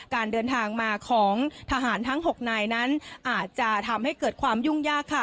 การเดินทางมาของทหารทั้ง๖นายนั้นอาจจะทำให้เกิดความยุ่งยากค่ะ